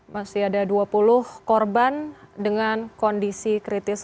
masih ada dua puluh korban dengan kondisi kritis